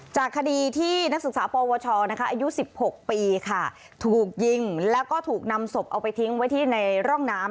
จากคดีที่นักศึกษาปวชอายุ๑๖ปีค่ะถูกยิงแล้วก็ถูกนำศพเอาไปทิ้งไว้ที่ในร่องน้ำ